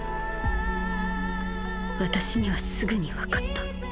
私にはすぐにわかった。